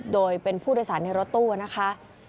โดยเป็นผู้โดยสารในรถตู้นะคะ